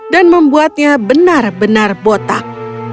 dan membuatnya benar benar botak